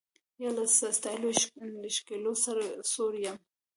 یا له ستایلو د ښکلیو سوړ یم